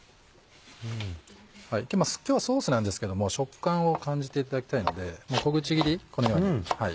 今日はソースなんですけども食感を感じていただきたいので小口切りこのように。